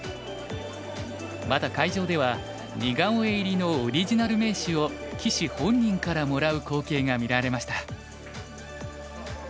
また会場では似顔絵入りのオリジナル名刺を棋士本人からもらう光景が見られました。